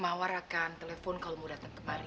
mawar akan telepon kalau mau datang kemari